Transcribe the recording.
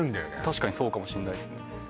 確かにそうかもしんないですね